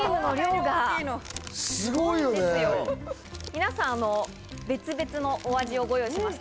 皆さん別々のお味をご用意しました。